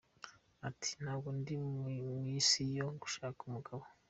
Ati “ Ntabwo ndi mu isi yo gushaka umugabo….